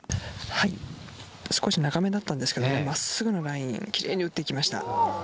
少し長めだったんですけど真っすぐのライン奇麗に打っていきました。